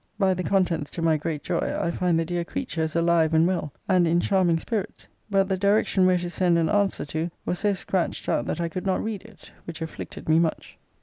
By the contents, to my great joy, I find the dear creature is alive and well, and in charming spirits. But the direction where to send an answer to was so scratched out that I could not read it; which afflicted me much.